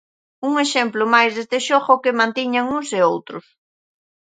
Un exemplo máis deste xogo que mantiñan uns e outros.